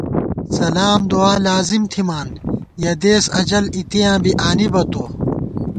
سلام دُعالازِم تھِمان، یَہ دېس اجل اِتیاں بی آنِبہ تو